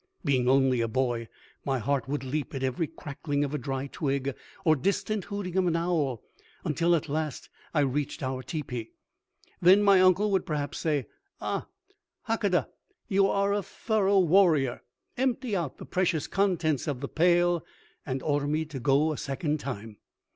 Being only a boy, my heart would leap at every crackling of a dry twig or distant hooting of an owl, until, at last, I reached our teepee. Then my uncle would perhaps say: "Ah, Hakadah, you are a thorough warrior!" empty out the precious contents of the pail, and order me to go a second time.